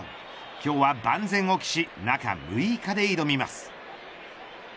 今日は万全を期し中６日で挑みます。